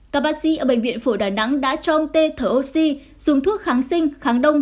các bác sĩ ở bệnh viện phổi đà nẵng đã cho ông tê thở oxy dùng thuốc kháng sinh kháng đông